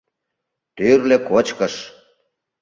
— Тӱрлӧ кочкыш.